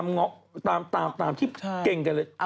ไม่ต้อง่ะมันออกตามตามที่เก่งกันเลย